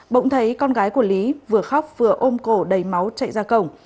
bỗng thấy con gái của lý vừa khóc vừa ôm cổ đầy máu chạy ra cổng